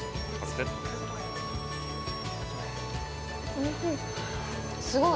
おいしい。